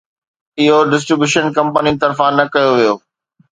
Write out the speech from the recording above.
اهو ڊسٽريبيوشن ڪمپنين طرفان نه ڪيو ويو